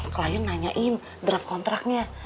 kelayun nanyain draft kontraknya